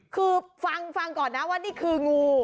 คือฟังก่อนนะว่านี่คืองู